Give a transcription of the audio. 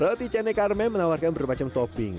roti canai carmen menawarkan berbagai topping